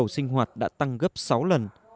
những cầu sinh hoạt đã tăng gấp sáu lần